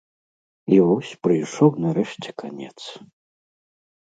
І вось прыйшоў нарэшце канец.